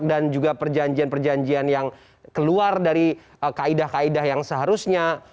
dan juga perjanjian perjanjian yang keluar dari kaedah kaedah yang seharusnya